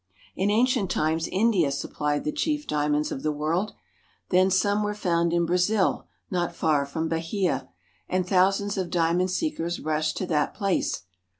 In ancient times India supphed the chief diamonds of 1 Ithe world. Then some were found in Brazil not far from I l Bahia, and thousands of diamond seekers rushed to that I Iplace.